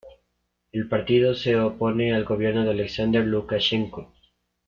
El partido se opone al gobierno de Alexander Lukashenko.